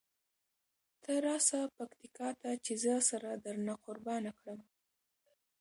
ته راسه پکتیکا ته چې زه سره درنه قربانه کړم.